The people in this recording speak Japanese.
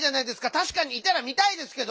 たしかにいたら見たいですけど！